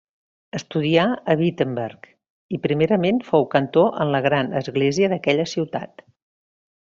Estudià a Wittenberg, i primerament fou cantor en la gran església d'aquella ciutat.